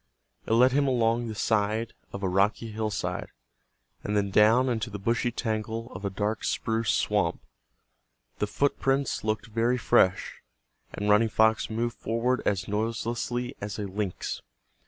It led him along the side of a rocky hillside, and then down into the bushy tangle of a dark spruce swamp. The footprints looked very fresh, and Running Fox moved forward as noiselessly as a lynx.